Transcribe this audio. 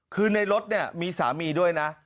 คือในรถมีสามีด้วยนะ